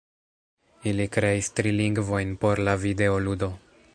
Ili kreis tri lingvojn por la videoludo